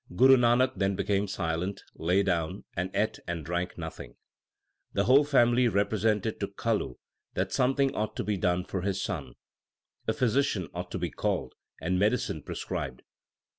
Guru Nanak then became silent, lay down, and ate and drank nothing. The whole family repre sented to Kalu that something ought to be done for his son. A physician ought to be called, and medicine prescribed.